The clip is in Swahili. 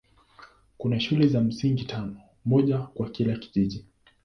Kuna shule za msingi tano, moja kwa kila kijiji.